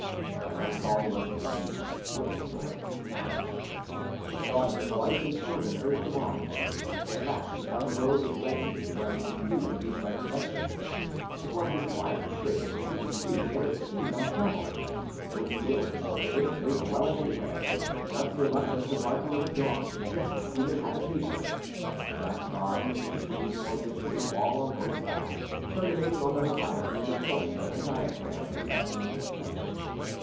By nightfall he was fatigued, footsore, famishing. The thought of his wife and children urged him on. At last he found a road which led him in what he knew to be the right direction. It was as wide and straight as a city street, yet it seemed untraveled. No fields bordered it, no dwelling anywhere. Not so much as the barking of a dog suggested human habitation. The black bodies of the trees formed a straight wall on both sides, terminating on the horizon in a point, like a diagram in a lesson in perspective.